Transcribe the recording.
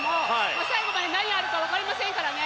最後まで何があるか分かりませんからね。